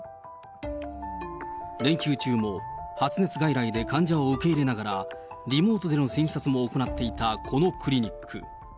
連休中も発熱外来で患者を受け入れながら、リモートでの診察も行っていたこのクリニック。